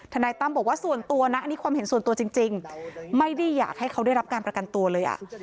นายตั้มบอกว่าส่วนตัวนะอันนี้ความเห็นส่วนตัวจริงไม่ได้อยากให้เขาได้รับการประกันตัวเลย